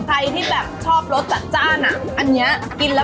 ใครที่แบบชอบรสจัดอันเนี้ยกินแล้ว